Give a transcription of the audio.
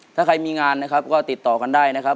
ถ้าใครมีงานติดต่อกันได้นะครับ